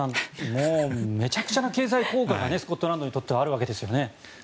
もうめちゃくちゃな経済効果がスコットランドにとってはあるわけですよね。